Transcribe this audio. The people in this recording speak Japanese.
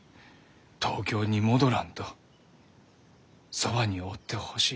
東京に戻らんとそばにおってほしいと。